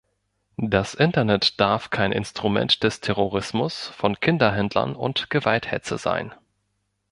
Das Internet darf kein Instrument des Terrorismus, von Kinderhändlern und Gewalthetze sein.